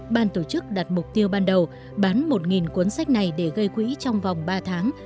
ban tổ chức đặt mục tiêu ban đầu bán một cuốn sách này để gây quỹ trong vòng ba tháng